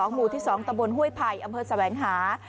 หมู่ที่๒ตะบนห้วยไผ่อำเภอแสวงหา